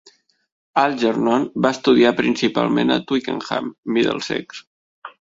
Algernon va estudiar principalment a Twickenham, Middlesex.